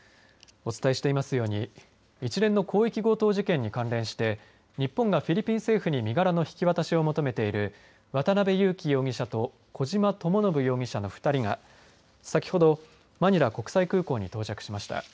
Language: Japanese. お伝えしていますように一連の広域強盗事件に関連して日本がフィリピン政府に身柄の引き渡しを求めている渡邉優樹容疑者と小島智信容疑者の２人が先ほどマニラ国際空港に到着しました。